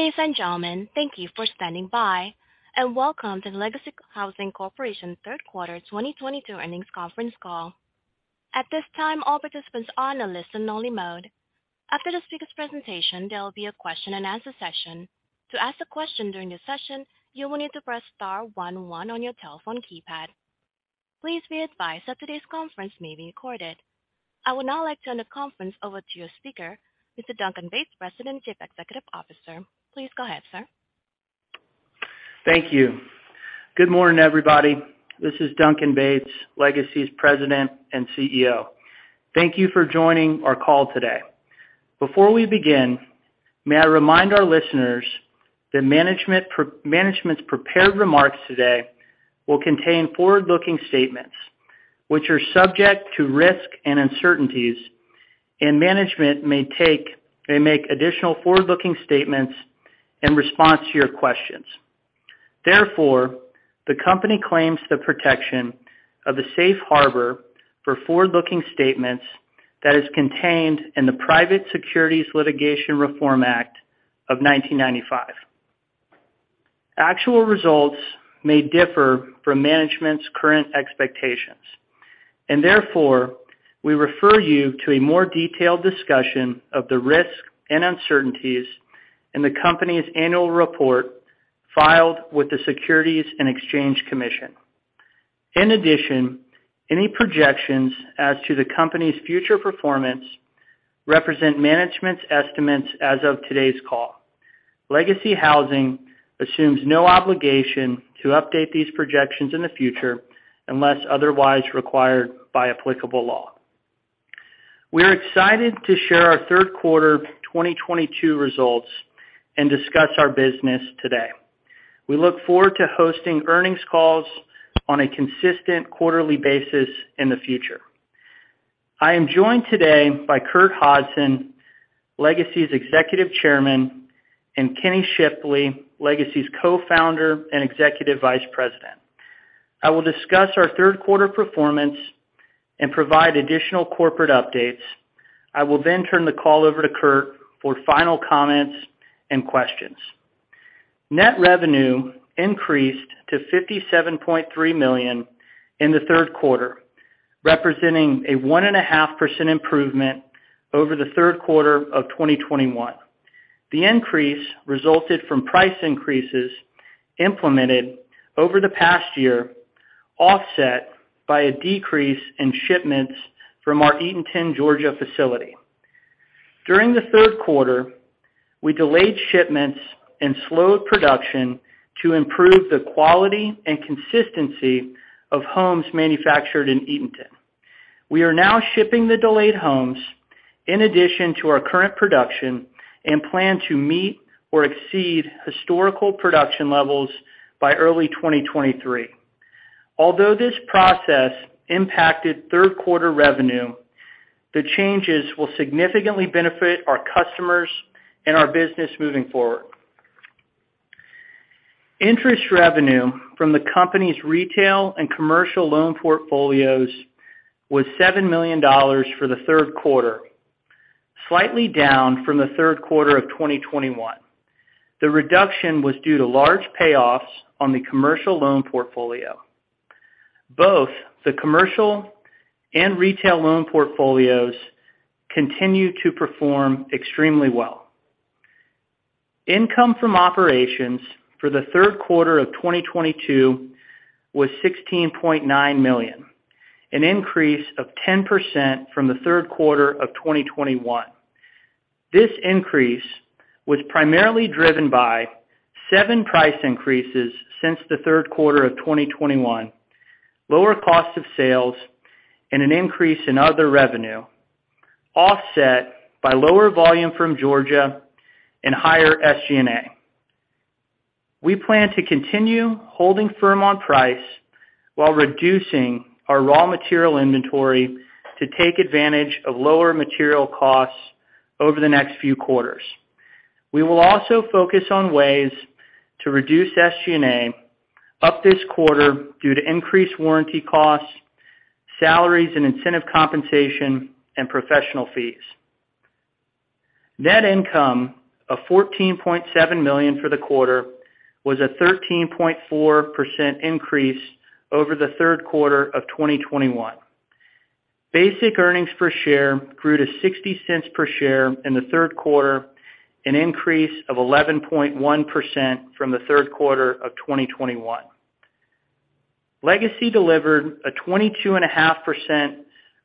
Ladies and gentlemen, thank you for standing by, and welcome to the Legacy Housing Corporation third quarter 2022 earnings conference call. At this time, all participants are on a listen only mode. After the speaker's presentation, there will be a question and answer session. To ask a question during the session, you will need to press star one one on your telephone keypad. Please be advised that today's conference may be recorded. I would now like to turn the conference over to your speaker, Mr. Duncan Bates, President and Chief Executive Officer. Please go ahead, sir. Thank you. Good morning, everybody. This is Duncan Bates, Legacy's President and CEO. Thank you for joining our call today. Before we begin, may I remind our listeners that management's prepared remarks today will contain forward-looking statements which are subject to risk and uncertainties, and management may make additional forward-looking statements in response to your questions. Therefore, the company claims the protection of the safe harbor for forward-looking statements that is contained in the Private Securities Litigation Reform Act of 1995. Actual results may differ from management's current expectations, and therefore, we refer you to a more detailed discussion of the risks and uncertainties in the company's annual report filed with the Securities and Exchange Commission. In addition, any projections as to the company's future performance represent management's estimates as of today's call. Legacy Housing assumes no obligation to update these projections in the future unless otherwise required by applicable law. We are excited to share our third quarter 2022 results and discuss our business today. We look forward to hosting earnings calls on a consistent quarterly basis in the future. I am joined today by Curt Hodgson, Legacy's Executive Chairman, and Kenny Shipley, Legacy's Co-founder and Executive Vice President. I will discuss our third quarter performance and provide additional corporate updates. I will then turn the call over to Curt for final comments and questions. Net revenue increased to $57.3 million in the third quarter, representing a 1.5% improvement over the third quarter of 2021. The increase resulted from price increases implemented over the past year, offset by a decrease in shipments from our Eatonton, Georgia facility. During the third quarter, we delayed shipments and slowed production to improve the quality and consistency of homes manufactured in Eatonton. We are now shipping the delayed homes in addition to our current production and plan to meet or exceed historical production levels by early 2023. Although this process impacted third quarter revenue, the changes will significantly benefit our customers and our business moving forward. Interest revenue from the company's retail and commercial loan portfolios was $7 million for the third quarter, slightly down from the third quarter of 2021. The reduction was due to large payoffs on the commercial loan portfolio. Both the commercial and retail loan portfolios continue to perform extremely well. Income from operations for the third quarter of 2022 was $16.9 million, an increase of 10% from the third quarter of 2021. This increase was primarily driven by seven price increases since the third quarter of 2021, lower cost of sales, and an increase in other revenue, offset by lower volume from Georgia and higher SG&A. We plan to continue holding firm on price while reducing our raw material inventory to take advantage of lower material costs over the next few quarters. We will also focus on ways to reduce SG&A, up this quarter due to increased warranty costs, salaries and incentive compensation, and professional fees. Net income of $14.7 million for the quarter was a 13.4% increase over the third quarter of 2021. Basic earnings per share grew to $0.60 per share in the third quarter, an increase of 11.1% from the third quarter of 2021. Legacy delivered a 22.5%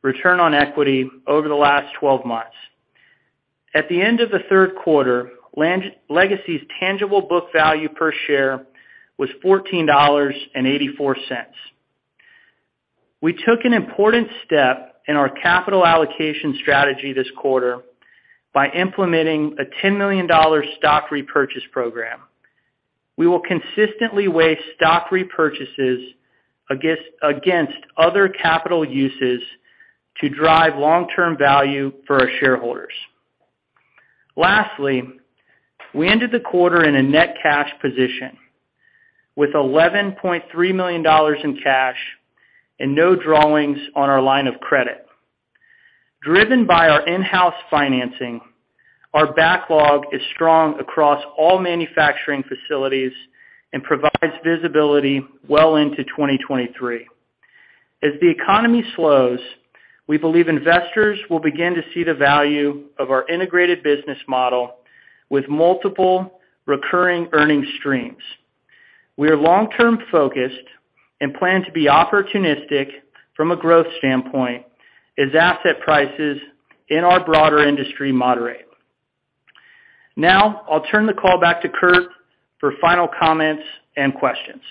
return on equity over the last 12 months. At the end of the third quarter, Legacy's tangible book value per share was $14.84. We took an important step in our capital allocation strategy this quarter by implementing a $10 million stock repurchase program. We will consistently weigh stock repurchases against other capital uses to drive long-term value for our shareholders. Lastly, we ended the quarter in a net cash position with $11.3 million in cash and no drawings on our line of credit. Driven by our in-house financing, our backlog is strong across all manufacturing facilities and provides visibility well into 2023. As the economy slows, we believe investors will begin to see the value of our integrated business model with multiple recurring earnings streams. We are long-term focused and plan to be opportunistic from a growth standpoint as asset prices in our broader industry moderate. Now, I'll turn the call back to Curt for final comments and questions.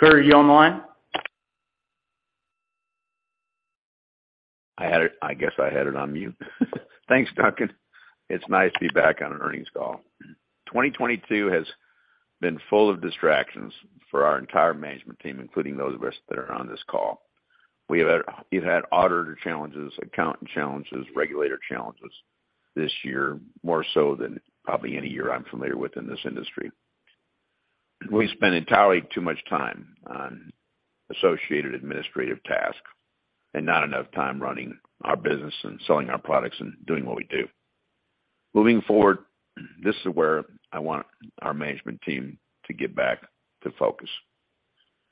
Curt? Curt, are you on the line? I guess I had it on mute. Thanks, Duncan. It's nice to be back on an earnings call. 2022 has been full of distractions for our entire management team, including those of us that are on this call. We've had auditor challenges, accountant challenges, regulator challenges this year, more so than probably any year I'm familiar with in this industry. We spent entirely too much time on associated administrative tasks and not enough time running our business and selling our products and doing what we do. Moving forward, this is where I want our management team to get back to focus.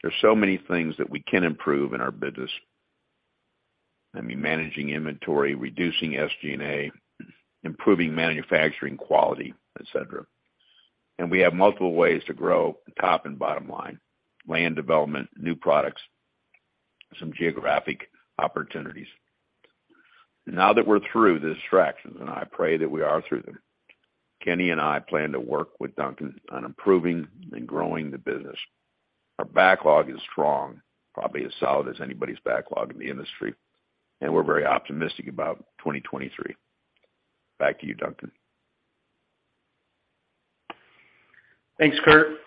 There's so many things that we can improve in our business. I mean, managing inventory, reducing SG&A, improving manufacturing quality, et cetera. We have multiple ways to grow top and bottom line, land development, new products, some geographic opportunities. Now that we're through the distractions, and I pray that we are through them, Kenny and I plan to work with Duncan on improving and growing the business. Our backlog is strong, probably as solid as anybody's backlog in the industry, and we're very optimistic about 2023. Back to you, Duncan. Thanks, Curt.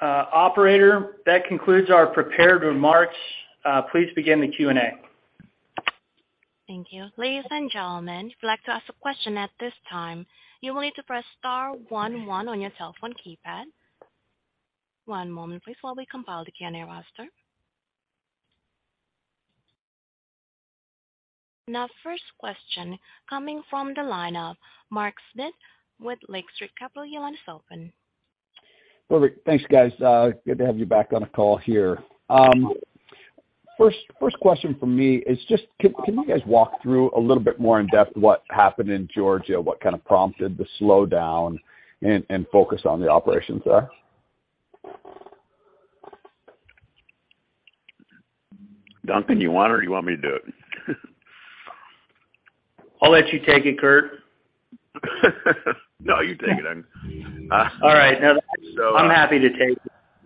Operator, that concludes our prepared remarks. Please begin the Q&A. Thank you. Ladies and gentlemen, if you'd like to ask a question at this time, you will need to press star one one on your cell phone keypad. One moment please, while we compile the Q&A roster. Now, first question coming from the line of Mark Smith with Lake Street Capital. Your line is open. Perfect. Thanks, guys. Good to have you back on a call here. First question from me is just can you guys walk through a little bit more in depth what happened in Georgia? What kind of prompted the slowdown and focus on the operations there? Duncan, you want it or you want me to do it? I'll let you take it, Curt. No, you take it on. All right. Now that I'm happy to take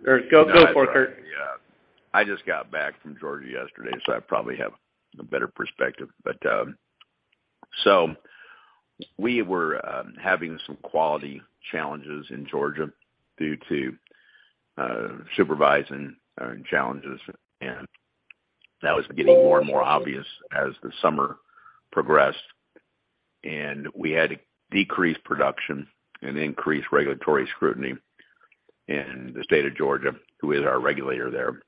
or go for it, Curt. Yeah. I just got back from Georgia yesterday, so I probably have a better perspective. We were having some quality challenges in Georgia due to supervision challenges, and that was getting more and more obvious as the summer progressed. We had to decrease production and increase regulatory scrutiny in the state of Georgia, who is our regulator there,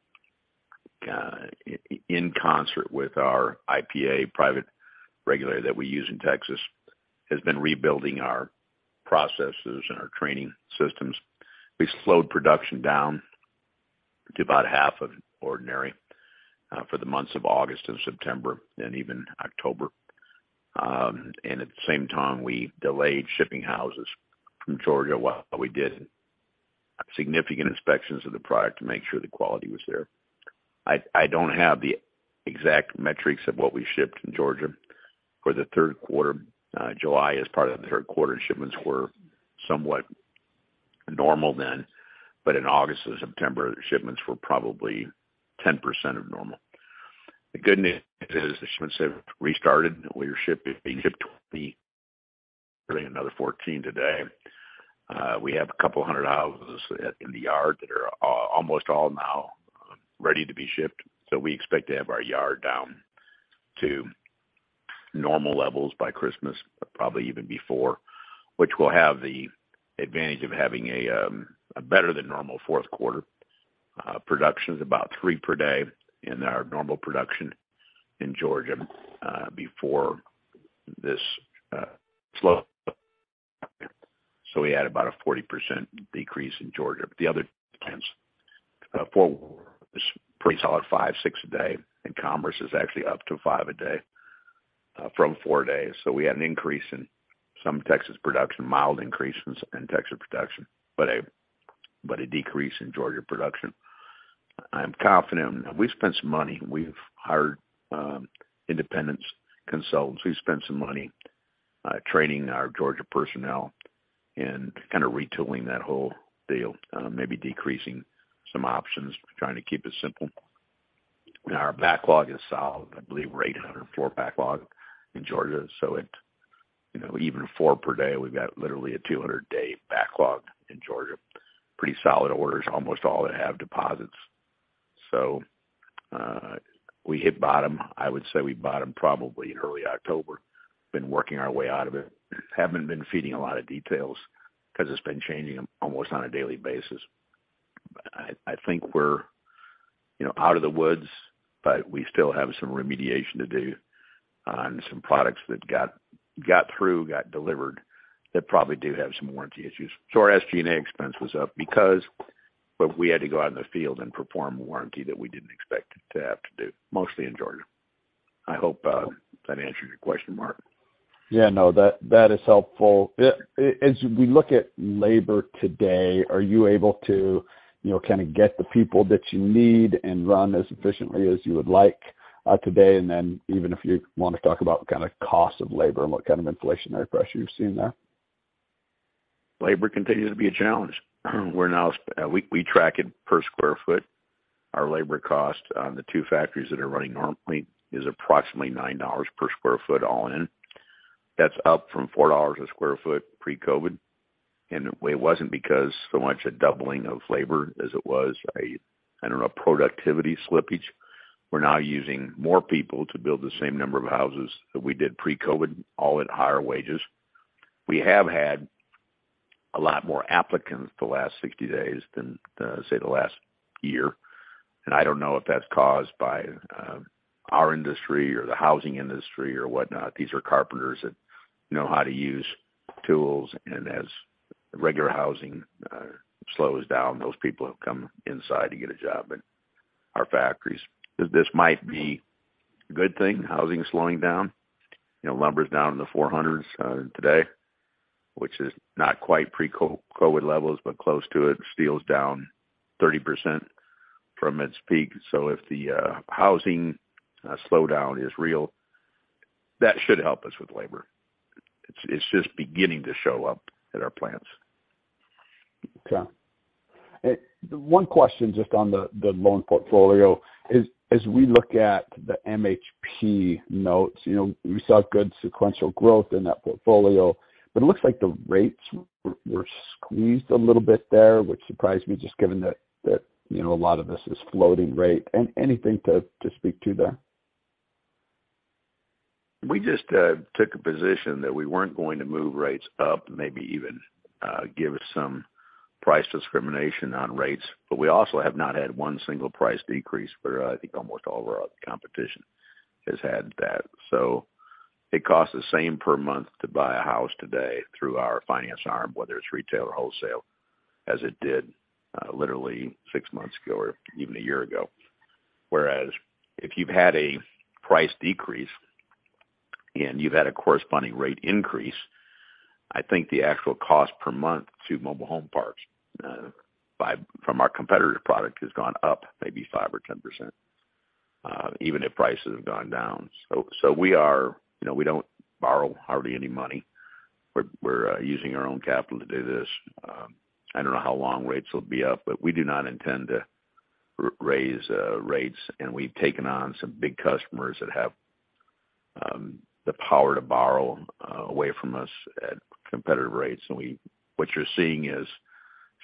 in concert with our IPA private regulator that we use in Texas, has been rebuilding our processes and our training systems. We slowed production down to about half of ordinary for the months of August and September and even October. At the same time, we delayed shipping houses from Georgia while we did significant inspections of the product to make sure the quality was there. I don't have the exact metrics of what we shipped in Georgia for the third quarter. July is part of the third quarter, and shipments were somewhat normal then. In August and September, shipments were probably 10% of normal. The good news is the shipments have restarted. We are shipping, we shipped 20, shipping another 14 today. We have a couple hundred houses in the yard that are almost all now ready to be shipped. We expect to have our yard down to normal levels by Christmas, probably even before, which will have the advantage of having a better than normal fourth quarter. Production is about three per day in our normal production in Georgia before this slow. We had about a 40% decrease in Georgia. The other plants, Fort Worth is pretty solid, five, six a day, and Commerce is actually up to five a day, from four days. We had an increase in some Texas production, mild increases in Texas production, but a decrease in Georgia production. I'm confident. We've spent some money. We've hired independent consultants. We've spent some money, training our Georgia personnel and kind of retooling that whole deal, maybe decreasing some options, trying to keep it simple. Our backlog is solid. I believe we're at 804 backlog in Georgia. You know, even four per day, we've got literally a 200-day backlog in Georgia. Pretty solid orders, almost all that have deposits. We hit bottom. I would say we bottomed probably in early October. Been working our way out of it. Haven't been feeding a lot of details because it's been changing almost on a daily basis. I think we're, you know, out of the woods, but we still have some remediation to do on some products that got through, got delivered, that probably do have some warranty issues. Our SG&A expense was up because, but we had to go out in the field and perform a warranty that we didn't expect to have to do, mostly in Georgia. I hope that answered your question, Mark. Yeah, no, that is helpful. As we look at labor today, are you able to, you know, kind of get the people that you need and run as efficiently as you would like today? Even if you want to talk about kind of cost of labor and what kind of inflationary pressure you're seeing there. Labor continues to be a challenge. We track it per square foot. Our labor cost on the two factories that are running normally is approximately $9 per sq ft all in. That's up from $4 a sq ft pre-COVID. It wasn't because so much a doubling of labor as it was, I don't know, productivity slippage. We're now using more people to build the same number of houses that we did pre-COVID, all at higher wages. We have had a lot more applicants the last 60 days than say, the last year. I don't know if that's caused by our industry or the housing industry or whatnot. These are carpenters that know how to use tools, and as regular housing slows down, those people have come inside to get a job at our factories. This might be a good thing, housing slowing down. You know, lumber's down in the 400s today, which is not quite pre-COVID levels, but close to it. Steel's down 30% from its peak. If the housing slowdown is real, that should help us with labor. It's just beginning to show up at our plants. Okay. One question just on the loan portfolio. As we look at the MHP notes, you know, we saw good sequential growth in that portfolio, but it looks like the rates were squeezed a little bit there, which surprised me just given that, you know, a lot of this is floating rate. Anything to speak to there? We just took a position that we weren't going to move rates up, maybe even give some price discrimination on rates. We also have not had one single price decrease, where I think almost all of our competition has had that. It costs the same per month to buy a house today through our finance arm, whether it's retail or wholesale, as it did literally six months ago or even a year ago. Whereas if you've had a price decrease and you've had a corresponding rate increase, I think the actual cost per month to mobile home parks from our competitive product has gone up maybe 5% or 10%, even if prices have gone down. You know, we don't borrow hardly any money. We're using our own capital to do this. I don't know how long rates will be up, but we do not intend to raise rates, and we've taken on some big customers that have the power to borrow away from us at competitive rates. What you're seeing is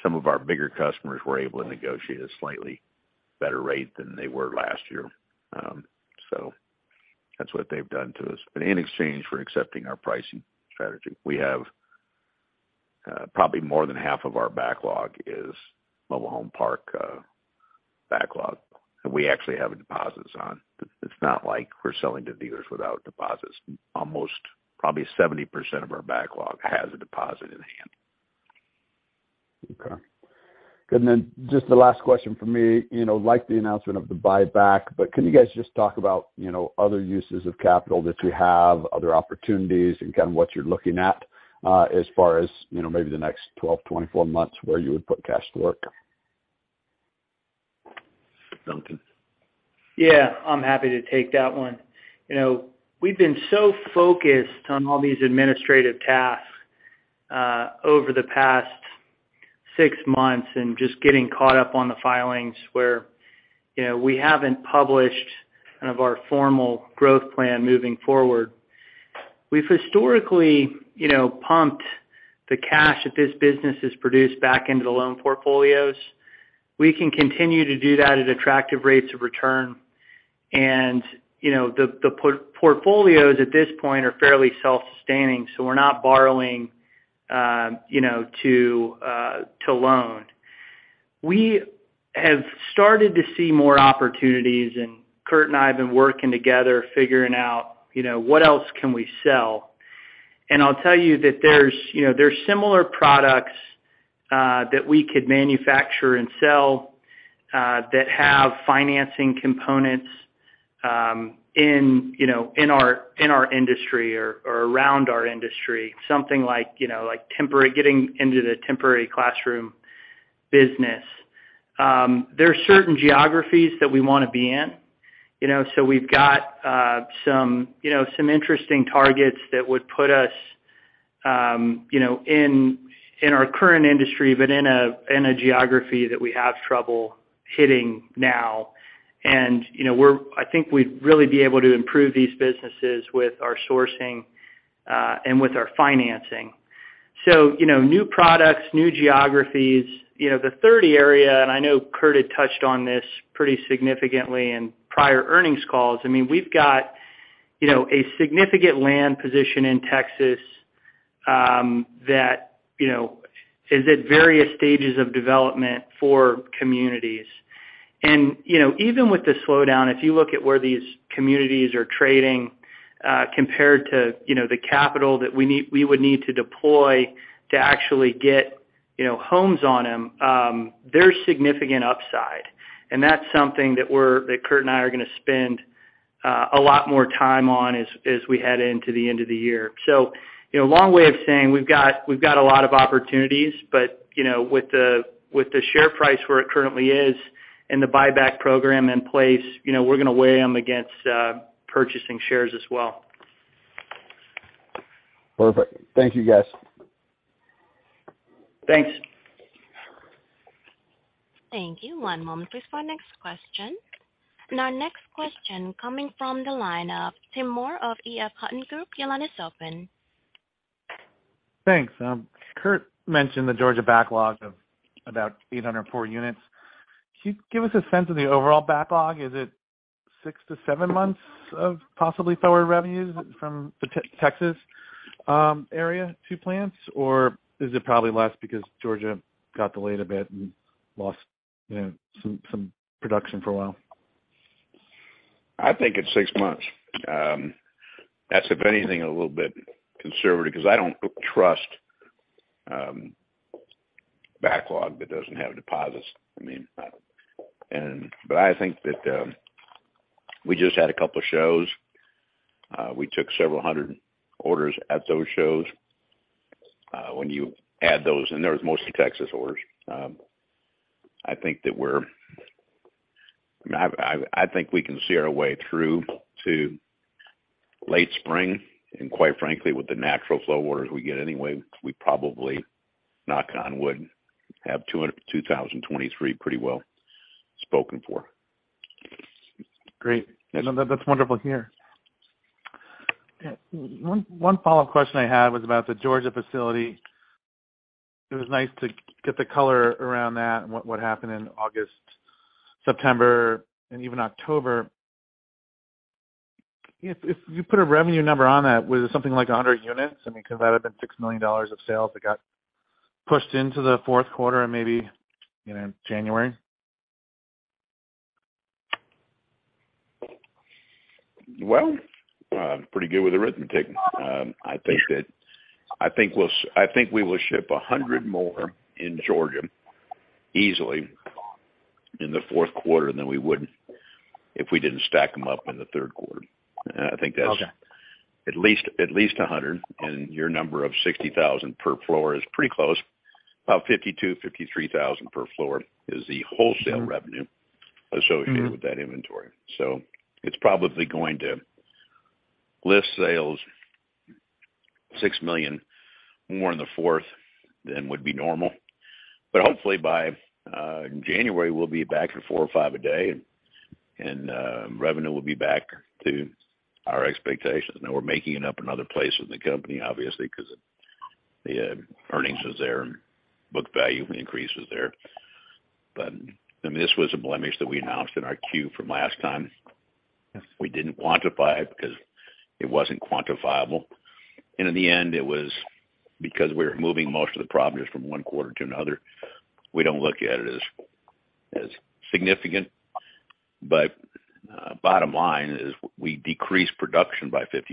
some of our bigger customers were able to negotiate a slightly better rate than they were last year. So that's what they've done to us. In exchange for accepting our pricing strategy, we have probably more than half of our backlog is mobile home park backlog that we actually have deposits on. It's not like we're selling to dealers without deposits. Almost probably 70% of our backlog has a deposit in hand. Okay. Good. Just the last question from me, you know, like the announcement of the buyback, but can you guys just talk about, you know, other uses of capital that you have, other opportunities and kind of what you're looking at, as far as, you know, maybe the next 12, 24 months where you would put cash to work? Duncan? Yeah. I'm happy to take that one. You know, we've been so focused on all these administrative tasks over the past six months and just getting caught up on the filings where, you know, we haven't published kind of our formal growth plan moving forward. We've historically, you know, pumped the cash that this business has produced back into the loan portfolios. We can continue to do that at attractive rates of return. You know, the portfolios at this point are fairly self-sustaining, so we're not borrowing, you know, to loan. We have started to see more opportunities, and Curt and I have been working together figuring out, you know, what else can we sell. I'll tell you that there's similar products that we could manufacture and sell that have financing components in our industry or around our industry, something like getting into the temporary classroom business. There are certain geographies that we wanna be in, you know. We've got some interesting targets that would put us in our current industry, but in a geography that we have trouble hitting now. I think we'd really be able to improve these businesses with our sourcing and with our financing. You know, new products, new geographies. You know, the 30 area, and I know Curt had touched on this pretty significantly in prior earnings calls. I mean, we've got, you know, a significant land position in Texas that, you know, is at various stages of development for communities. Even with the slowdown, if you look at where these communities are trading compared to, you know, the capital that we would need to deploy to actually get, you know, homes on them, there's significant upside. That's something that Curt and I are gonna spend a lot more time on as we head into the end of the year. You know, long way of saying we've got a lot of opportunities, but, you know, with the share price where it currently is and the buyback program in place, you know, we're gonna weigh them against purchasing shares as well. Perfect. Thank you, guys. Thanks. Thank you. One moment, please, for our next question. Our next question coming from the line of Tim Moore of EF Hutton Group. Your line is open. Thanks. Curt mentioned the Georgia backlog of about 804 units. Can you give us a sense of the overall backlog? Is it six to seven months of possibly lower revenues from the Texas area, two plants? Or is it probably less because Georgia got delayed a bit and lost, you know, some production for a while? I think it's six months. That's, if anything, a little bit conservative because I don't trust backlog that doesn't have deposits. I think that we just had a couple shows. We took several hundred orders at those shows. When you add those, and there was mostly Texas orders, I think that we can see our way through to late spring, and quite frankly, with the natural flow orders we get anyway, we probably, knock on wood, have 2023 pretty well spoken for. Great. No, that's wonderful to hear. One follow-up question I had was about the Georgia facility. It was nice to get the color around that and what happened in August, September, and even October. If you put a revenue number on that, was it something like 100 units? I mean, could that have been $6 million of sales that got pushed into the fourth quarter and maybe, you know, January? Pretty good with arithmetic. I think we will ship 100 more in Georgia easily in the fourth quarter than we would if we didn't stack them up in the third quarter. Okay. I think that's at least 100. Your number of 60,000 per floor is pretty close. About 52,000, 53,000 per floor is the wholesale revenue associated with that inventory. It's probably going to lift sales $6 million more in the fourth than would be normal. Hopefully by January, we'll be back to four or five a day, and revenue will be back to our expectations. Now, we're making it up in other places in the company, obviously, because the earnings is there and book value increase is there. I mean, this was a blemish that we announced in our Q from last time. Yes. We didn't quantify it because it wasn't quantifiable. In the end, it was because we were moving most of the problems from one quarter to another. We don't look at it as significant. Bottom line is we decreased production by 50%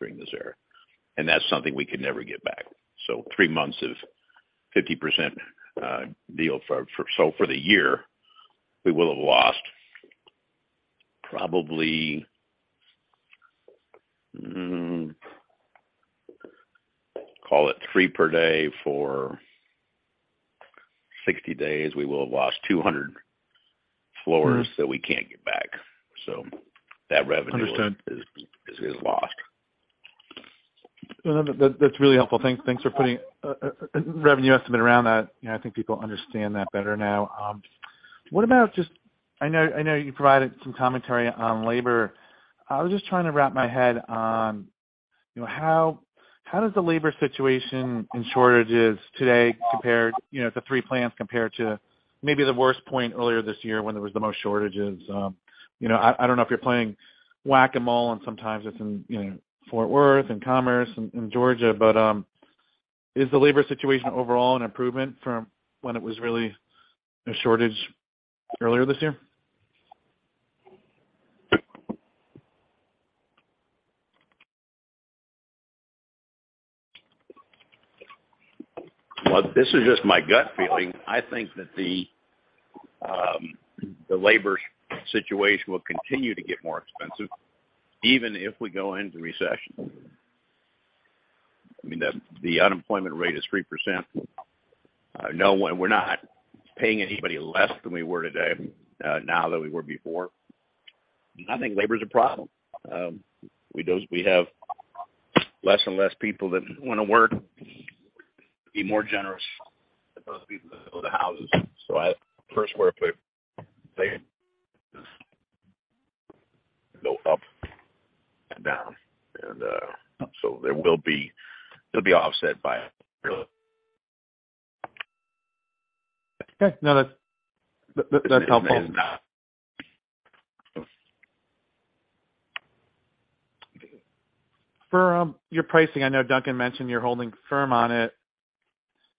during this era, and that's something we could never get back. Three months of 50%. For the year, we will have lost probably, call it three per day for 60 days, we will have lost 200 floors that we can't get back. That revenue- Understood. is lost. No, no. That's really helpful. Thanks for putting a revenue estimate around that. You know, I think people understand that better now. What about just. I know you provided some commentary on labor. I was just trying to wrap my head around, you know, how does the labor situation and shortages today compare to the three plants compared to maybe the worst point earlier this year when there was the most shortages. You know, I don't know if you're playing Whac-A-Mole, and sometimes it's in, you know, Fort Worth, in Commerce, in Georgia. Is the labor situation overall an improvement from when it was really a shortage earlier this year? Well, this is just my gut feeling. I think that the labor situation will continue to get more expensive even if we go into recession. I mean, the unemployment rate is 3%. We're not paying anybody less than we were today, now than we were before. I think labor is a problem. We have less and less people that want to work. Be more generous with those people that build the houses. If I were to say go up and down and, it'll be offset by the- Okay. No, that's helpful. For your pricing, I know Duncan mentioned you're holding firm on it.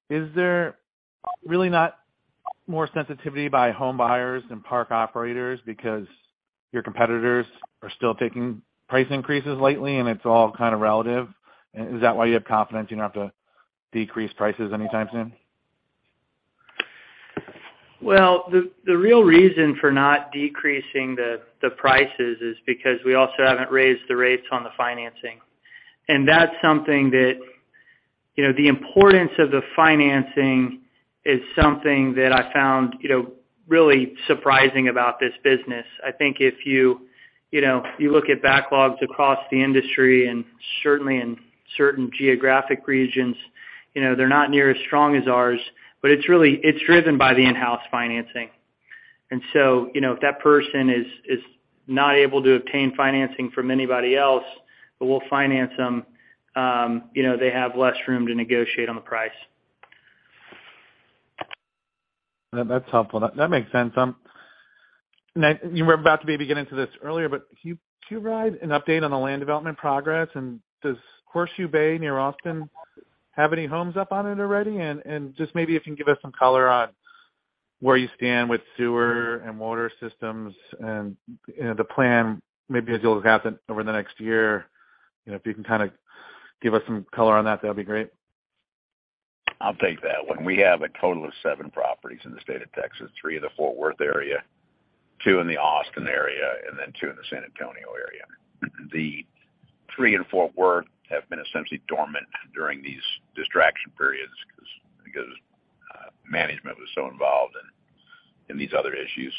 Is there really not more sensitivity by home buyers and park operators because your competitors are still taking price increases lately, and it's all kind of relative? Is that why you have confidence you don't have to decrease prices anytime soon? Well, the real reason for not decreasing the prices is because we also haven't raised the rates on the financing. That's something that, you know, the importance of the financing is something that I found, you know, really surprising about this business. I think if you know, look at backlogs across the industry and certainly in certain geographic regions, you know, they're not near as strong as ours, but it's really driven by the in-house financing. You know, if that person is not able to obtain financing from anybody else, but we'll finance them, you know, they have less room to negotiate on the price. That's helpful. That makes sense. You were about to maybe get into this earlier, but can you provide an update on the land development progress, and does Horseshoe Bay near Austin have any homes up on it already? Just maybe if you can give us some color on where you stand with sewer and water systems and, you know, the plan maybe as you look out over the next year. You know, if you can kind of give us some color on that'd be great. I'll take that one. We have a total of seven properties in the state of Texas, three in the Fort Worth area, two in the Austin area, and then two in the San Antonio area. The three in Fort Worth have been essentially dormant during these distraction periods because management was so involved in these other issues.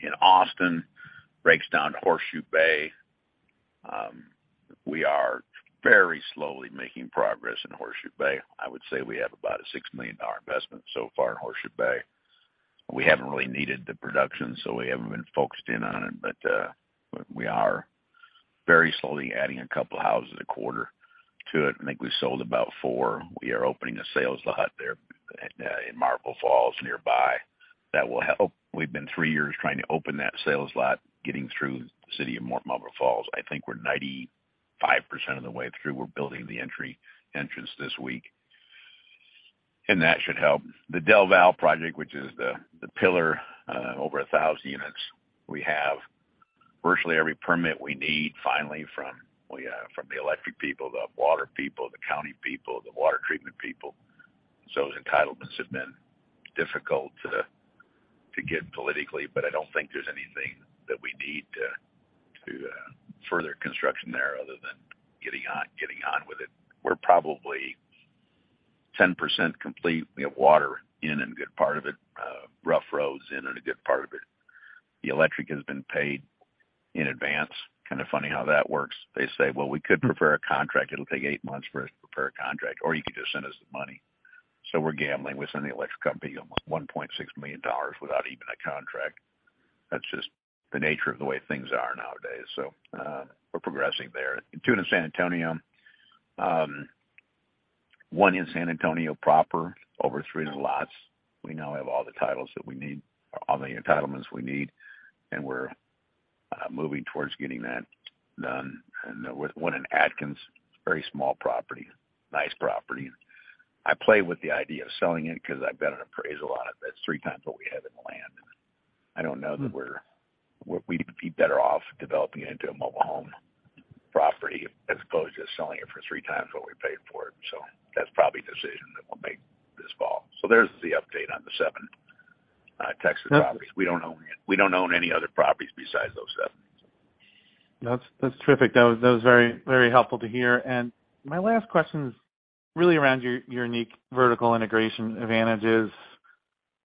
In Austin, it breaks down to Horseshoe Bay. We are very slowly making progress in Horseshoe Bay. I would say we have about a $6 million investment so far in Horseshoe Bay. We haven't really needed the production, so we haven't been focused in on it. But we are very slowly adding a couple of houses a quarter to it. I think we sold about four. We are opening a sales lot there in Marble Falls nearby. That will help. We've been three years trying to open that sales lot, getting through the city of Marble Falls. I think we're 95% of the way through. We're building the entry entrance this week, and that should help. The Del Valle project, which is the pillar, over 1,000 units. We have virtually every permit we need finally from the electric people, the water people, the county people, the water treatment people. Those entitlements have been difficult to get politically, but I don't think there's anything that we need to further construction there other than getting on with it. We're probably 10% complete. We have water in a good part of it, rough roads in a good part of it. The electric has been paid in advance. Kind of funny how that works. They say, "Well, we could prepare a contract. It'll take eight months for us to prepare a contract, or you could just send us the money." We're gambling. We send the electric company $1.6 million without even a contract. That's just the nature of the way things are nowadays. We're progressing there. Two in San Antonio. One in San Antonio proper, over three lots. We now have all the titles that we need, all the entitlements we need, and we're moving towards getting that done. One in Adkins, very small property, nice property. I play with the idea of selling it because I've got an appraisal on it that's three times what we have in land. I don't know that we'd be better off developing it into a mobile home property as opposed to selling it for three times what we paid for it. That's probably a decision that we'll make this fall. There's the update on the seven Texas properties. We don't own any other properties besides those seven. That's terrific. That was very helpful to hear. My last question is really around your unique vertical integration advantages.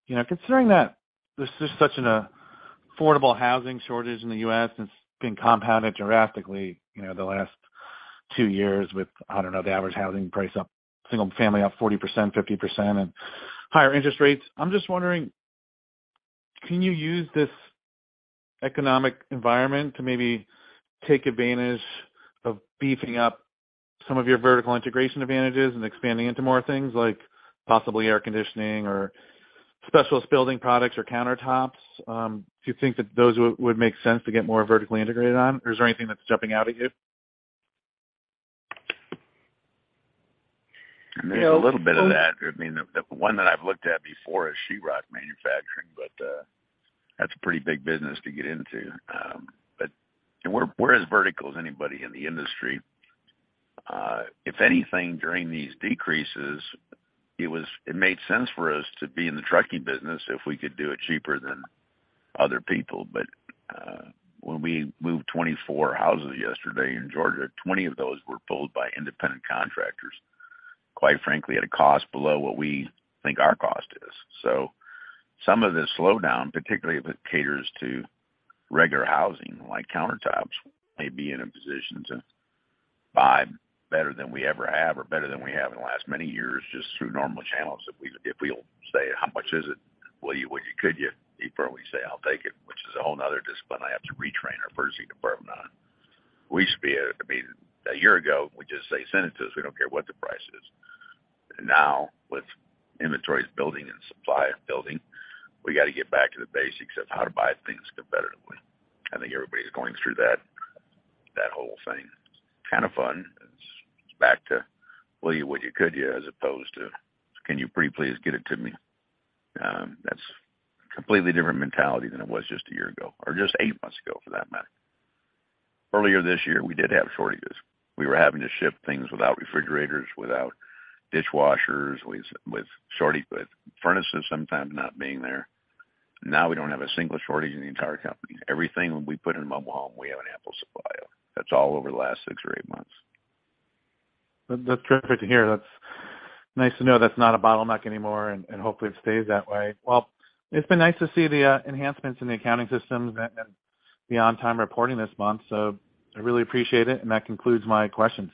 You know, considering that this is such an affordable housing shortage in the U.S., it's been compounded drastically, you know, the last two years with, I don't know, the average housing price up, single family up 40%, 50% and higher interest rates. I'm just wondering, can you use this economic environment to maybe take advantage of beefing up some of your vertical integration advantages and expanding into more things like possibly air conditioning or specialist building products or countertops? Do you think that those would make sense to get more vertically integrated on? Or is there anything that's jumping out at you? There's a little bit of that. I mean, the one that I've looked at before is Sheetrock manufacturing, but that's a pretty big business to get into. We're as vertical as anybody in the industry. If anything, during these decreases, it made sense for us to be in the trucking business if we could do it cheaper than other people. When we moved 24 houses yesterday in Georgia, 20 of those were pulled by independent contractors. Quite frankly, at a cost below what we think our cost is. Some of this slowdown, particularly if it caters to regular housing, like countertops, may be in a position to buy better than we ever have or better than we have in the last many years, just through normal channels. If we'll say, "How much is it? Would you, could you?" He'd probably say, "I'll take it," which is a whole another discipline I have to retrain our purchasing department on. We used to be I mean, a year ago, we just say, "Send it to us. We don't care what the price is." Now, with inventories building and supply building, we got to get back to the basics of how to buy things competitively. I think everybody's going through that whole thing. Kind of fun. It's back to will you, would you, could you, as opposed to can you pretty please get it to me? That's a completely different mentality than it was just a year ago, or just eight months ago for that matter. Earlier this year, we did have shortages. We were having to ship things without refrigerators, without dishwashers, with shortages, with furnaces sometimes not being there. Now, we don't have a single shortage in the entire company. Everything we put in a mobile home, we have an ample supply of. That's all over the last six or eight months. That's terrific to hear. That's nice to know that's not a bottleneck anymore, and hopefully it stays that way. Well, it's been nice to see the enhancements in the accounting systems and the on-time reporting this month. I really appreciate it, and that concludes my questions.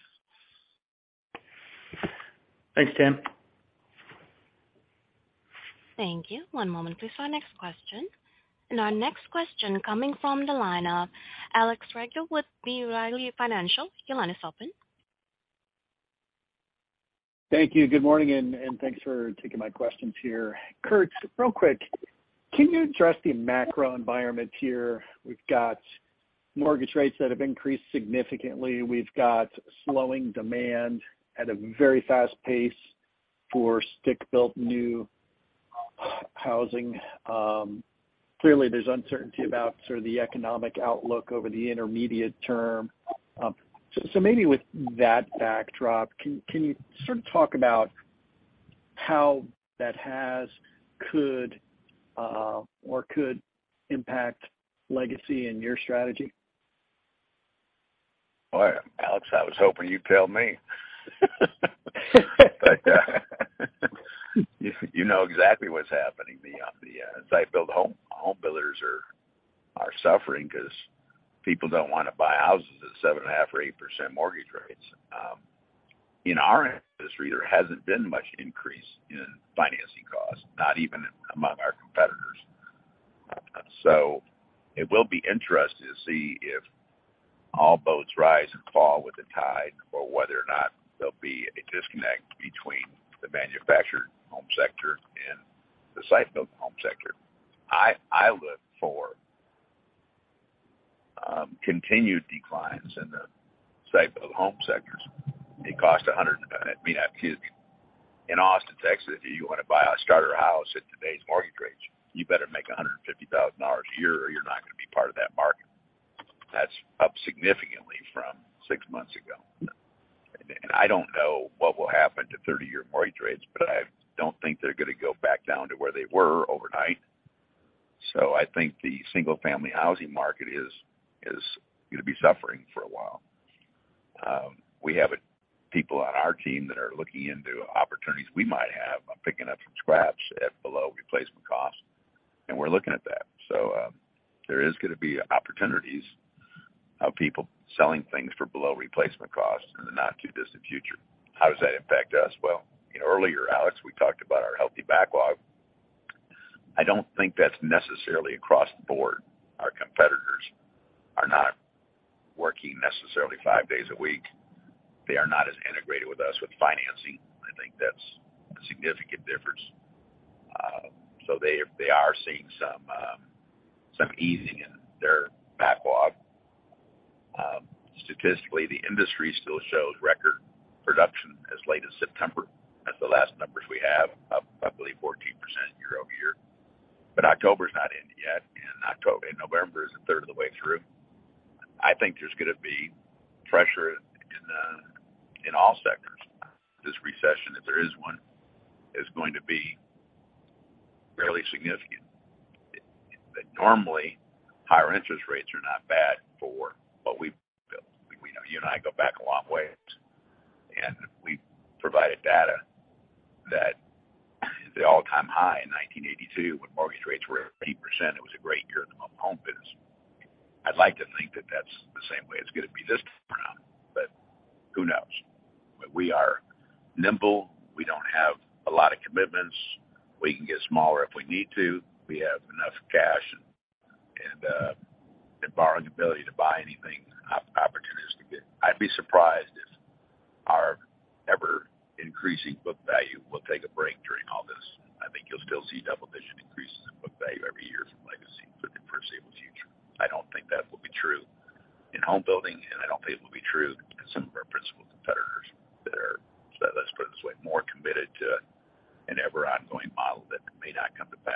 Thanks, Tim. Thank you. One moment, please, for our next question. Our next question coming from the line of Alex Rygiel with B. Riley Financial. Your line is open. Thank you. Good morning, and thanks for taking my questions here. Curt, real quick, can you address the macro environment here? We've got mortgage rates that have increased significantly. We've got slowing demand at a very fast pace for stick-built new housing. Clearly, there's uncertainty about sort of the economic outlook over the intermediate term. Maybe with that backdrop, can you sort of talk about how that could impact Legacy and your strategy? Boy, Alex, I was hoping you'd tell me. You know exactly what's happening. Site-built home builders are suffering because people don't wanna buy houses at 7.5% or 8% mortgage rates. In our industry, there hasn't been much increase in financing costs, not even among our competitors. It will be interesting to see if all boats rise and fall with the tide, or whether or not there'll be a disconnect between the manufactured home sector and the site-built home sector. I look for continued declines in the site-built home sectors. It costs 100. I mean, huge. In Austin, Texas, if you wanna buy a starter house at today's mortgage rates, you better make $150,000 a year, or you're not gonna be part of that market. That's up significantly from six months ago. I don't know what will happen to 30-year mortgage rates, but I don't think they're gonna go back down to where they were overnight. I think the single-family housing market is gonna be suffering for a while. We have people on our team that are looking into opportunities we might have on picking up some scraps at below replacement cost, and we're looking at that. There is gonna be opportunities of people selling things for below replacement cost in the not too distant future. How does that impact us? Well, you know, earlier, Alex, we talked about our healthy backlog. I don't think that's necessarily across the board. Our competitors are not working necessarily 5 days a week. They are not as integrated with us with financing. I think that's a significant difference. They are seeing some easing in their backlog. Statistically, the industry still shows record production as late as September. That's the last numbers we have, up I believe 14% year-over-year. October's not ended yet, and November is a third of the way through. I think there's gonna be pressure in all sectors. This recession, if there is one, is going to be fairly significant. Normally, higher interest rates are not bad for what we build. We know. You and I go back a long way, and we provided data that the all-time high in 1982, when mortgage rates were at 8%, it was a great year in the mobile home business. I'd like to think that that's the same way it's gonna be this time around, but who knows? We are nimble. We don't have a lot of commitments. We can get smaller if we need to. We have enough cash and borrowing ability to buy anything, opportunities to get. I'd be surprised if our ever-increasing book value will take a break during all this. I think you'll still see double-digit increases in book value every year from Legacy for the foreseeable future. I don't think that will be true in home building, and I don't think it will be true in some of our principal competitors that are, let's put it this way, more committed to an ever-ongoing model that may not come to pass.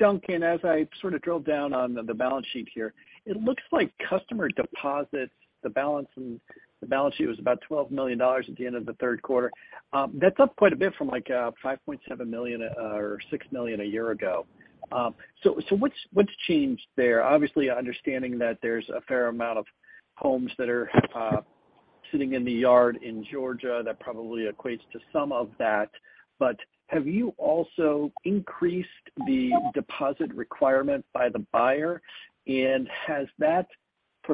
Duncan, as I sort of drill down on the balance sheet here, it looks like customer deposits, the balance in the balance sheet was about $12 million at the end of the third quarter. That's up quite a bit from, like, $5.7 million or $6 million a year ago. So what's changed there? Obviously, understanding that there's a fair amount of homes that are sitting in the yard in Georgia, that probably equates to some of that. Have you also increased the deposit requirement by the buyer? And has that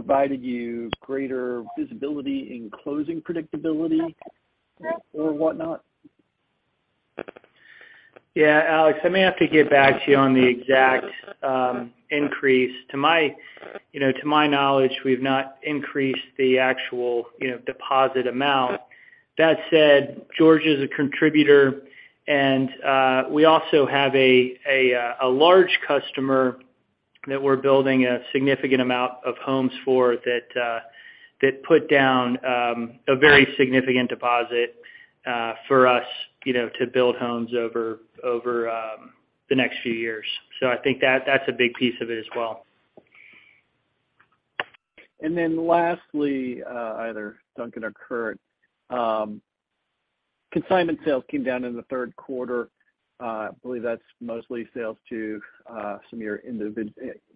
provided you greater visibility in closing predictability or whatnot? Yeah, Alex, I may have to get back to you on the exact increase. To my knowledge, we've not increased the actual, you know, deposit amount. That said, George is a contributor, and we also have a large customer that we're building a significant amount of homes for that put down a very significant deposit for us, you know, to build homes over the next few years. So I think that's a big piece of it as well. Lastly, either Duncan or Curt, consignment sales came down in the third quarter. I believe that's mostly sales to some of your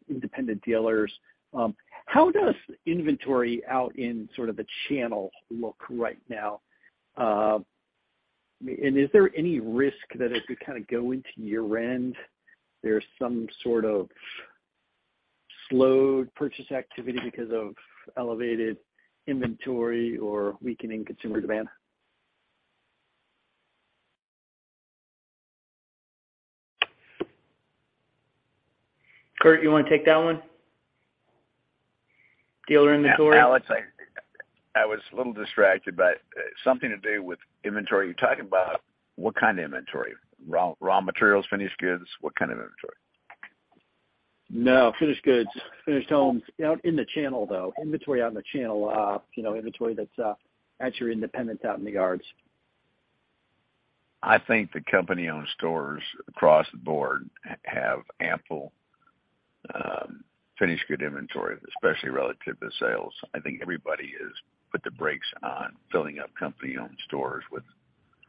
independent dealers. How does inventory out in sort of the channel look right now? Is there any risk that as we kind of go into year-end, there's some sort of slowed purchase activity because of elevated inventory or weakening consumer demand? Curt, you wanna take that one? Dealer inventory. Alex, I was a little distracted, but something to do with inventory. You talking about what kind of inventory? Raw materials, finished goods? What kind of inventory? No, finished goods, finished homes out in the channel, though, inventory on the channel, you know, inventory that's at your independent out in the yards. I think the company-owned stores across the board have ample finished goods inventory, especially relative to sales. I think everybody has put the brakes on filling up company-owned stores with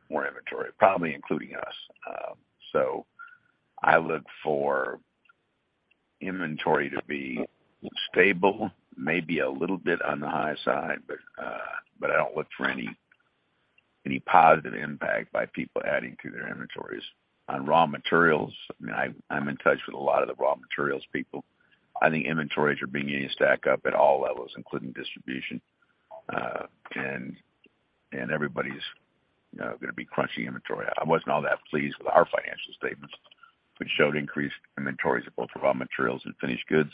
more inventory, probably including us. I look for inventory to be stable, maybe a little bit on the high side. I don't look for any positive impact by people adding to their inventories. On raw materials, I mean, I'm in touch with a lot of the raw materials people. I think inventories are beginning to stack up at all levels, including distribution. And everybody's gonna be crunching inventory. I wasn't all that pleased with our financial statements, which showed increased inventories of both raw materials and finished goods,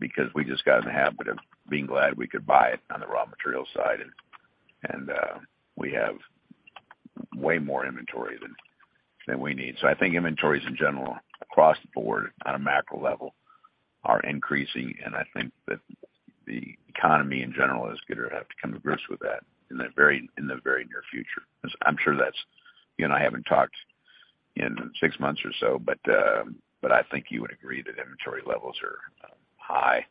because we just got in the habit of being glad we could buy it on the raw materials side. We have way more inventory than we need. I think inventories in general across the board on a macro level are increasing, and I think that the economy in general is gonna have to come to grips with that in the very near future. You and I haven't talked in six months or so, but I think you would agree that inventory levels are high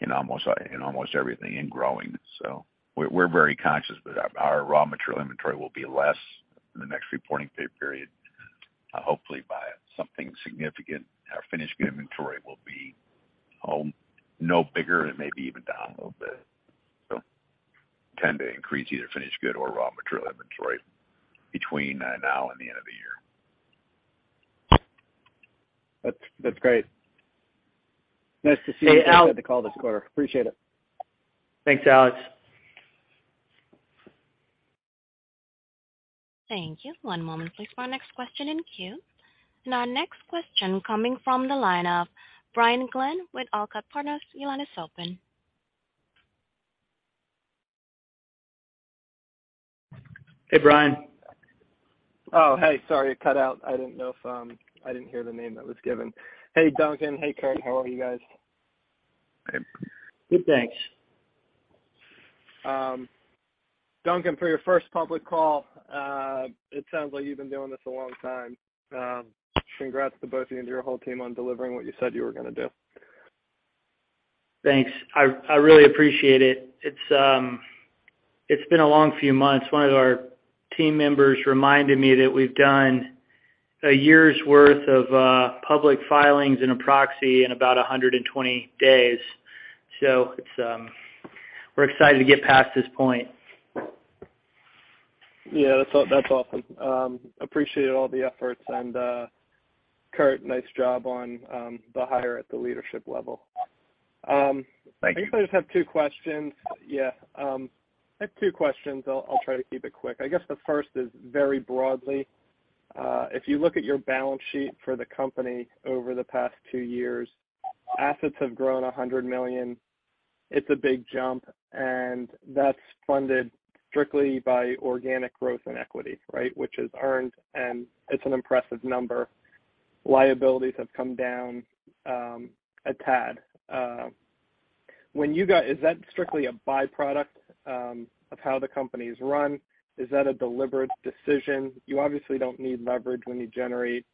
in almost everything, and growing. We're very conscious, but our raw material inventory will be less in the next reporting pay period, hopefully by something significant. Our finished goods inventory will be no bigger and maybe even down a little bit. Tend to increase either finished goods or raw material inventory between now and the end of the year. That's great. Nice to see you. Hey, Alex. Good to call this quarter. Appreciate it. Thanks, Alex. Thank you. One moment, please, for our next question in queue. Our next question coming from the line of Brian Glenn with Olcott Partners. Your line is open. Hey, Brian. Oh, hey, sorry, it cut out. I didn't know if, I didn't hear the name that was given. Hey, Duncan. Hey, Curt. How are you guys? Good. Good, thanks. Duncan, for your first public call, it sounds like you've been doing this a long time. Congrats to both you and your whole team on delivering what you said you were gonna do. I really appreciate it. It's been a long few months. One of our team members reminded me that we've done a year's worth of public filings and a proxy in about 120 days. We're excited to get past this point. Yeah, that's awesome. Appreciate all the efforts. Curt, nice job on the hire at the leadership level. Thank you. I guess I just have two questions. Yeah, I have two questions. I'll try to keep it quick. I guess the first is very broadly. If you look at your balance sheet for the company over the past two years, assets have grown $100 million. It's a big jump, and that's funded strictly by organic growth and equity, right? Which is earned, and it's an impressive number. Liabilities have come down a tad. Is that strictly a by-product of how the company's run? Is that a deliberate decision? You obviously don't need leverage when you generate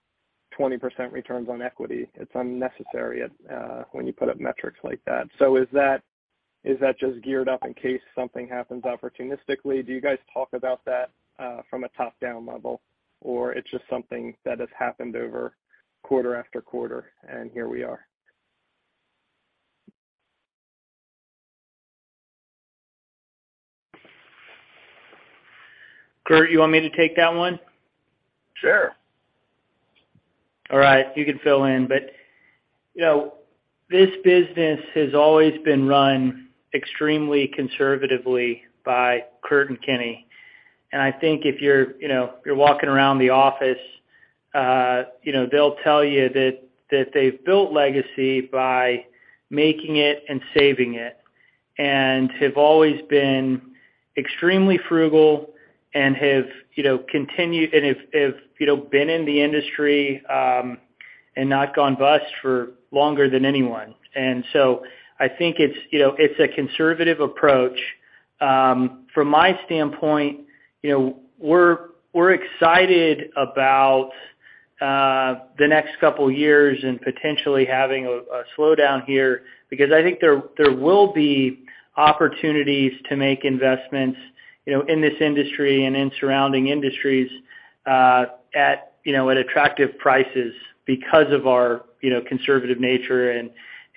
20% returns on equity. It's unnecessary when you put up metrics like that. Is that just geared up in case something happens opportunistically? Do you guys talk about that from a top-down level? It's just something that has happened over quarter after quarter, and here we are. Curt, you want me to take that one? Sure. All right, you can fill in. You know, this business has always been run extremely conservatively by Curt and Kenny. I think if you're, you know, you're walking around the office, you know, they'll tell you that they've built Legacy by making it and saving it, and have always been extremely frugal and, you know, continued and have been in the industry and not gone bust for longer than anyone. I think it's, you know, a conservative approach. From my standpoint, you know, we're excited about the next couple years and potentially having a slowdown here, because I think there will be opportunities to make investments, you know, in this industry and in surrounding industries at attractive prices because of our conservative nature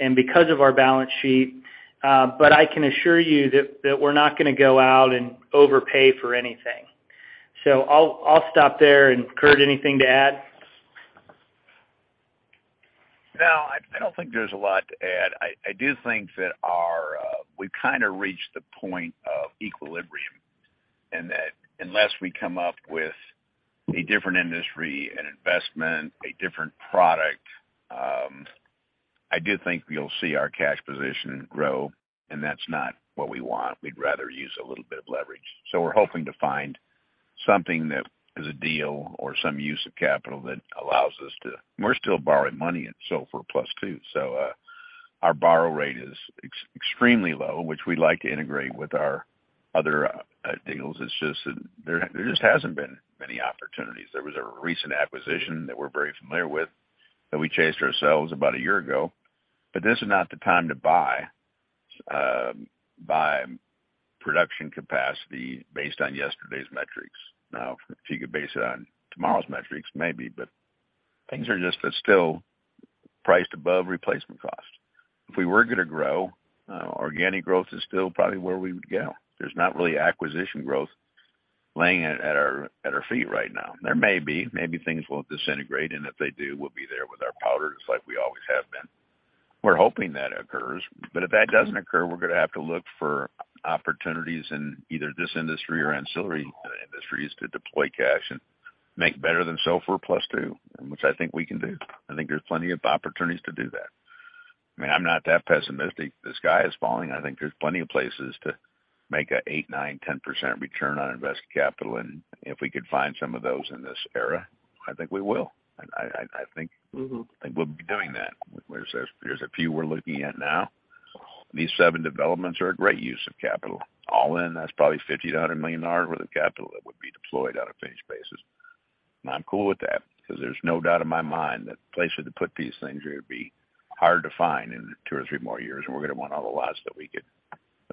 and because of our balance sheet. But I can assure you that we're not gonna go out and overpay for anything. I'll stop there. Curt, anything to add? No, I don't think there's a lot to add. I do think that we've kinda reached the point of equilibrium, and that unless we come up with a different industry, an investment, a different product, I do think you'll see our cash position grow, and that's not what we want. We'd rather use a little bit of leverage. We're hoping to find something that is a deal or some use of capital that allows us to. We're still borrowing money at SOFR plus two. Our borrow rate is extremely low, which we'd like to integrate with our other deals. It's just that there just hasn't been many opportunities. There was a recent acquisition that we're very familiar with that we chased ourselves about a year ago. This is not the time to buy production capacity based on yesterday's metrics. Now, if you could base it on tomorrow's metrics, maybe, but things are just still priced above replacement cost. If we were gonna grow, organic growth is still probably where we would go. There's not really acquisition growth laying at our feet right now. There may be. Maybe things will disintegrate, and if they do, we'll be there with our powder dry like we always have been. We're hoping that occurs. If that doesn't occur, we're gonna have to look for opportunities in either this industry or ancillary industries to deploy cash and make better than SOFR plus two, which I think we can do. I think there's plenty of opportunities to do that. I mean, I'm not that pessimistic. The sky is falling. I think there's plenty of places to make an 8%, 9%, 10% return on invested capital. If we could find some of those in this era, I think we will. Mm-hmm I think we'll be doing that, where there's a few we're looking at now. These seven developments are a great use of capital. All in, that's probably $50 million-$100 million worth of capital that would be deployed on a finished basis. I'm cool with that, 'cause there's no doubt in my mind that places to put these things are gonna be hard to find in two or three more years, and we're gonna want all the lots that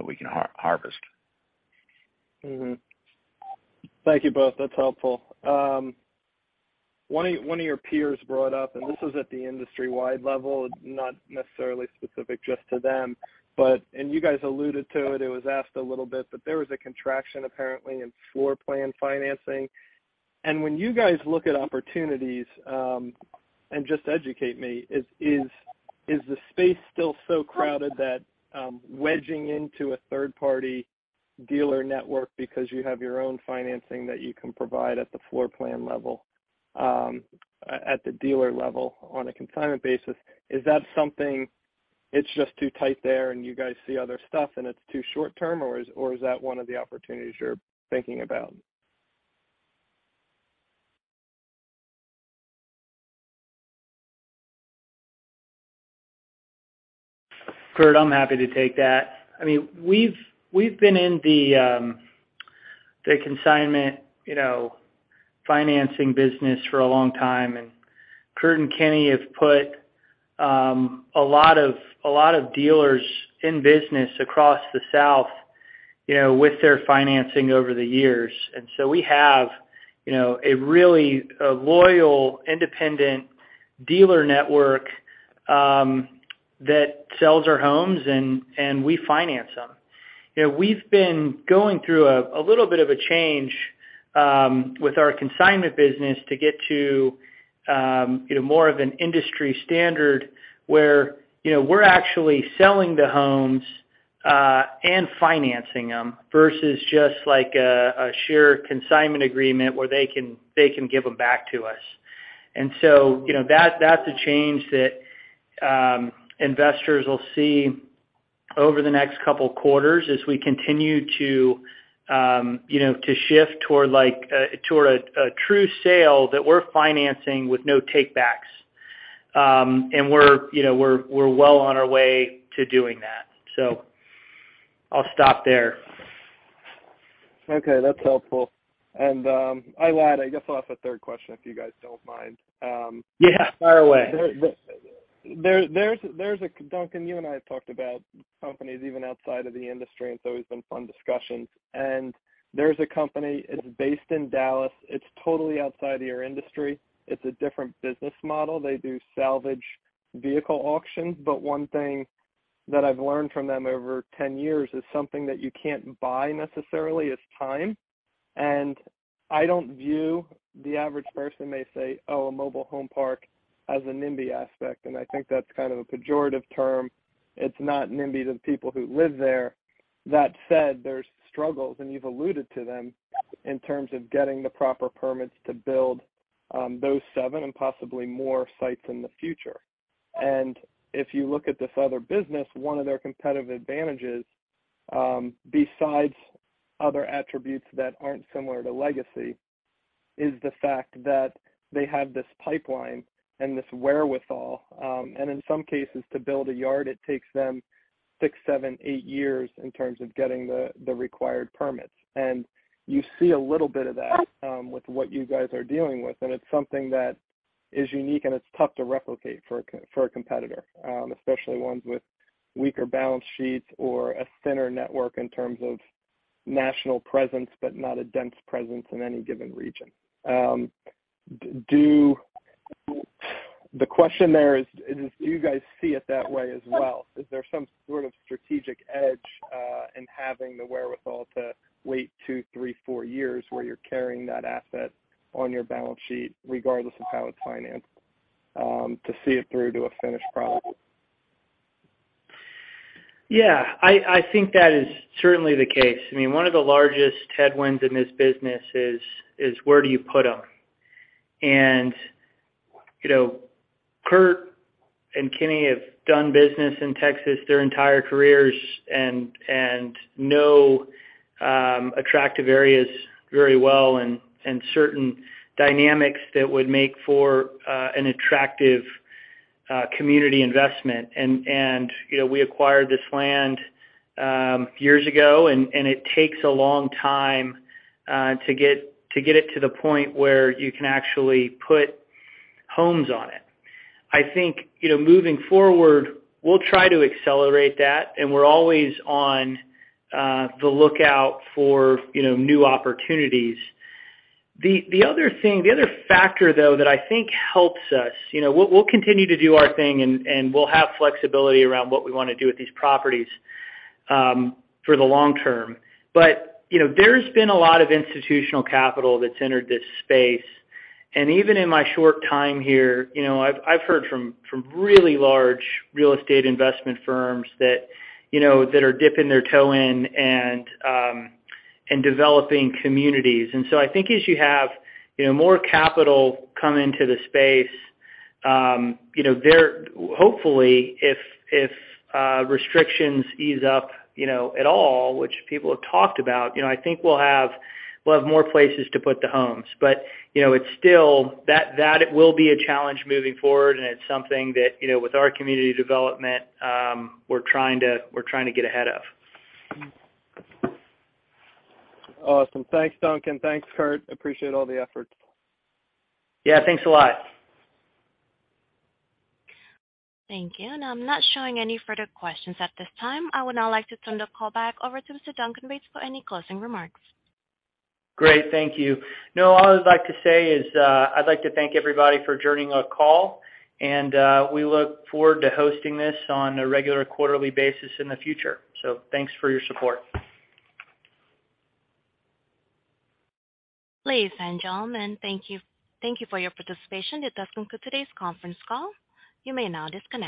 we can harvest. Mm-hmm. Thank you both. That's helpful. One of your peers brought up, and this is at the industry-wide level, not necessarily specific just to them. You guys alluded to it was asked a little bit, but there was a contraction apparently in floor plan financing. When you guys look at opportunities, and just educate me, is the space still so crowded that wedging into a third party dealer network because you have your own financing that you can provide at the floor plan level, at the dealer level on a consignment basis, is that something, it's just too tight there and you guys see other stuff and it's too short term, or is that one of the opportunities you're thinking about? Curt, I'm happy to take that. I mean, we've been in the consignment, you know, financing business for a long time, and Curt and Kenny have put a lot of dealers in business across the South, you know, with their financing over the years. We have, you know, a really loyal independent dealer network that sells our homes and we finance them. You know, we've been going through a little bit of a change with our consignment business to get to, you know, more of an industry standard where, you know, we're actually selling the homes and financing them versus just like a sheer consignment agreement where they can give them back to us. You know that's a change that investors will see over the next couple quarters as we continue to you know to shift toward like toward a true sale that we're financing with no take backs. We're you know well on our way to doing that. I'll stop there. Okay, that's helpful. I'll add, I guess I'll ask a third question if you guys don't mind. Yeah, fire away. Duncan, you and I have talked about companies even outside of the industry, and it's always been fun discussions. There's a company, it's based in Dallas. It's totally outside of your industry. It's a different business model. They do salvage vehicle auctions, but one thing that I've learned from them over 10 years is something that you can't buy necessarily is time. I don't view the average person may say, "Oh, a mobile home park has a NIMBY aspect," and I think that's kind of a pejorative term. It's not NIMBY, the people who live there. That said, there's struggles, and you've alluded to them, in terms of getting the proper permits to build those seven and possibly more sites in the future. If you look at this other business, one of their competitive advantages, besides other attributes that aren't similar to Legacy, is the fact that they have this pipeline and this wherewithal, and in some cases, to build a yard, it takes them six, seven, eight years in terms of getting the required permits. You see a little bit of that, with what you guys are dealing with, and it's something that is unique, and it's tough to replicate for a competitor, especially ones with weaker balance sheets or a thinner network in terms of national presence, but not a dense presence in any given region. The question there is, do you guys see it that way as well? Is there some sort of strategic edge in having the wherewithal to wait two, three, four years where you're carrying that asset on your balance sheet, regardless of how it's financed, to see it through to a finished product? Yeah. I think that is certainly the case. I mean, one of the largest headwinds in this business is where do you put them? You know, Curt and Kenny have done business in Texas their entire careers and know attractive areas very well and certain dynamics that would make for an attractive community investment. You know, we acquired this land years ago and it takes a long time to get it to the point where you can actually put homes on it. I think you know, moving forward, we'll try to accelerate that, and we're always on the lookout for you know, new opportunities. The other factor, though, that I think helps us you know. We'll continue to do our thing, and we'll have flexibility around what we wanna do with these properties, for the long term. You know, there's been a lot of institutional capital that's entered this space, and even in my short time here, you know, I've heard from really large real estate investment firms that you know that are dipping their toe in and developing communities. I think as you have you know more capital come into the space, you know, hopefully, if restrictions ease up, you know, at all, which people have talked about, you know, I think we'll have more places to put the homes. You know, it's still. That will be a challenge moving forward and it's something that, you know, with our community development, we're trying to get ahead of. Awesome. Thanks, Duncan. Thanks, Curt. Appreciate all the effort. Yeah. Thanks a lot. Thank you. I'm not showing any further questions at this time. I would now like to turn the call back over to Mr. Duncan Bates for any closing remarks. Great. Thank you. No, all I'd like to say is, I'd like to thank everybody for adjourning our call, and we look forward to hosting this on a regular quarterly basis in the future. Thanks for your support. Ladies and gentlemen, thank you. Thank you for your participation. That does conclude today's conference call. You may now disconnect.